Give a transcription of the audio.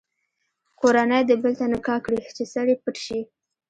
کورنۍ دې بل ته نکاح کړي چې سر یې پټ شي.